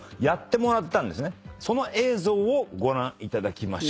その映像をご覧いただきましょう。